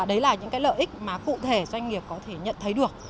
đấy là những cái lợi ích mà cụ thể doanh nghiệp có thể nhận thấy được